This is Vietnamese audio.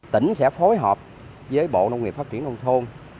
tỉnh sẽ phối hợp với bộ nông nghiệp phát triển nông thôn